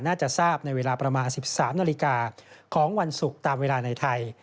น่าจะทราบในเวลาประมาณ๑๓นาฬิกาของวันศุกร์ตามเวลาในไทย